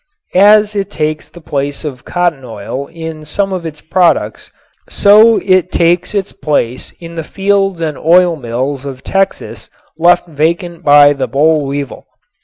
As it takes the place of cotton oil in some of its products so it takes its place in the fields and oilmills of Texas left vacant by the bollweevil.